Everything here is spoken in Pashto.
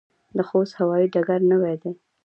د خوست هوايي ډګر نوی دی